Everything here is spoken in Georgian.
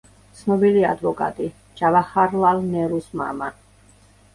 ცნობილი ადვოკატი, ჯავაჰარლალ ნერუს მამა.